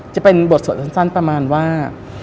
จะเป็นบทสวดสั้นประมาณว่า